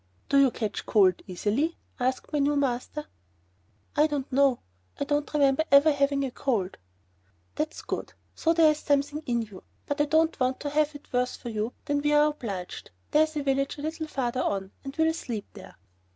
"Do you catch cold easily?" asked my new master. "I don't know. I don't remember ever having a cold." "That's good. So there is something in you. But I don't want to have it worse for you than we are obliged. There is a village a little farther on and we'll sleep there."